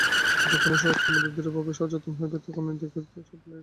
যখনই স্বরূপ সম্বন্ধে দৃঢ়ভাবে সচেতন হইতে শুরু করিবে, তখনই সব ভয় চলিয়া যাইবে।